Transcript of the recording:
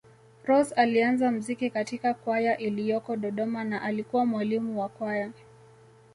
Rose alianza mziki katika kwaya iliyoko Dodoma na alikuwa mwalimu wa Kwaya